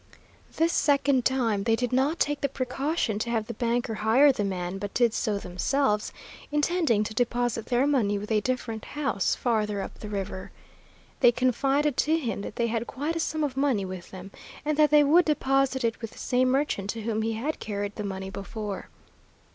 This second time they did not take the precaution to have the banker hire the man, but did so themselves, intending to deposit their money with a different house farther up the river. They confided to him that they had quite a sum of money with them, and that they would deposit it with the same merchant to whom he had carried the money before.